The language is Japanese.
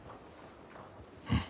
うん。